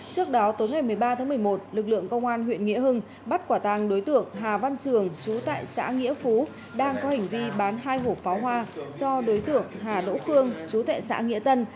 trước đó tối ngày một mươi ba tháng một mươi một lực lượng công an huyện nghĩa hưng bắt quả tàng đối tượng hà văn trường chú tại xã nghĩa phú đang có hành vi bán hai hộp pháo hoa cho đối tượng hà đỗ phương chú tệ xã nghĩa tân